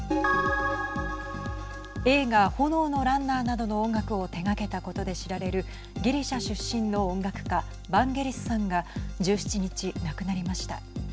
映画、炎のランナーなどの音楽を手がけたことで知られるギリシャ出身の音楽家バンゲリスさんが１７日亡くなりました。